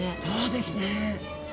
そうですね。